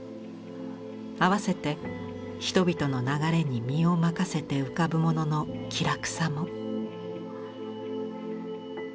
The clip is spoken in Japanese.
併せて人々の流れに身を任せて浮かぶ者の気楽さも」。